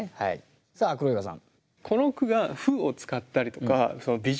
さあ黒岩さん。